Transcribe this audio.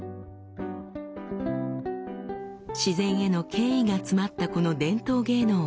「自然への敬意が詰まったこの伝統芸能をもっと知りたい」。